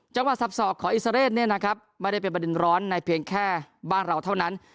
เฉพาะสับสอบของอิสรไม่ได้เป็นประเด็นร้อนในเพียงแค่บ้านเราเท่านั้น